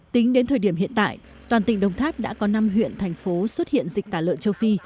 tính đến thời điểm hiện tại toàn tỉnh đồng tháp đã có năm huyện thành phố xuất hiện dịch tả lợn châu phi